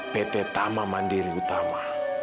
pt tama mandiri utama